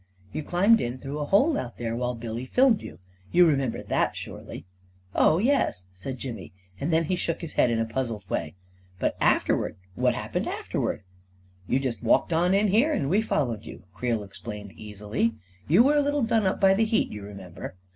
" You climbed in through a hole out here, while Billy filmed you — you remember that, surely 1 " 44 Oh, yes," said Jimmy, and then he shook his head in a puzzled way. " But afterwards — what happened afterwards ?" 44 You just walked on in here and we followed you," Creel explained, easily. " You were a little done up by the heat, you remember.